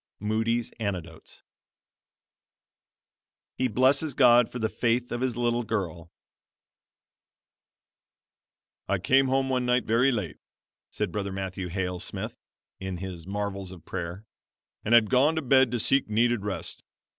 Moody's Anecdotes HE BLESSES GOD FOR THE FAITH OF HIS LITTLE GIRL "I came home one night very late," says Brother Matthew Hale Smith (in his "Marvels of Prayer"), "and had gone to bed to seek needed rest.